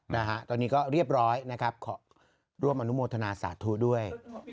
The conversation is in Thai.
นะฮะตอนนี้ก็เรียบร้อยนะครับขอร่วมอนุโมทนาสาธุด้วย